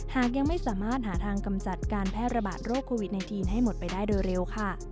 หากยังไม่สามารถหาทางกำจัดการแพร่ระบาดโรคโควิด๑๙ให้หมดไปได้โดยเร็วค่ะ